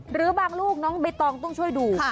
หรือบางลูกน้องใบตองต้องช่วยดู